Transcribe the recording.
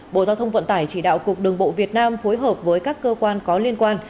bộ giao thông vận tải chỉ đạo cục đường bộ việt nam phối hợp với các cơ quan có liên quan